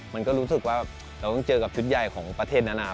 มันก็รู้สึกว่าเราต้องเจอกับชุดใหญ่ของประเทศนานา